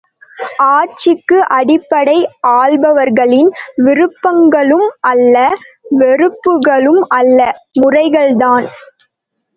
ஆட்சிக்கு அடிப்படை ஆள்பவர்களின் விருப்பங்களும் அல்ல வெறுப்புகளும் அல்ல, முறை கள்தான்!